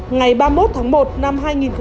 ngày ba mươi một tháng một năm hai nghìn một mươi chín